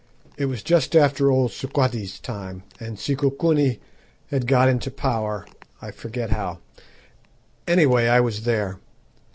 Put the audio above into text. It was just after old Sequati's time, and Sikukuni had got into power I forget how. Anyway, I was there.